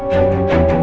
sherry mau yang mana